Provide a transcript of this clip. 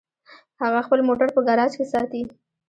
هغه خپل موټر په ګراج کې ساتي